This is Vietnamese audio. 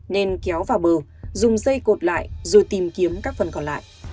nên kéo vào bờ dùng dây cột lại rồi tìm kiếm các phần còn lại